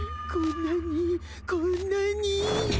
こんなにこんなに。